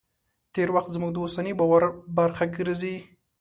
تېر وخت زموږ د اوسني باور برخه ګرځي.